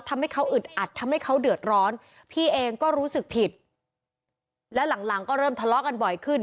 ทำให้เขาอึดอัดทำให้เขาเดือดร้อนพี่เองก็รู้สึกผิดแล้วหลังหลังก็เริ่มทะเลาะกันบ่อยขึ้น